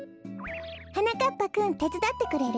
はなかっぱくんてつだってくれる？